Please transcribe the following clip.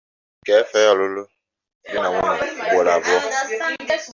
Kefee lụrụ di na nwunye ugboro abụọ.